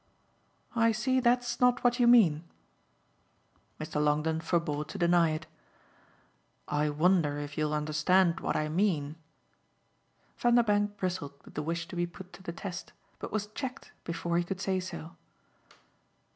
"I see that's not what you mean." Mr. Longdon forbore to deny it. "I wonder if you'll understand what I mean." Vanderbank bristled with the wish to be put to the test, but was checked before he could say so.